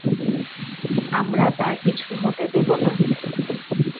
আমরা তার কিছু হতে দেব না।